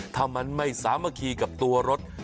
ถ้ามันไม่สามารถคีกับตัวรถ